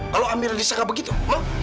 kalau aminah disangka begitu mau